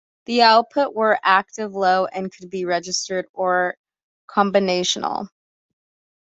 The outputs were active low and could be registered or combinational.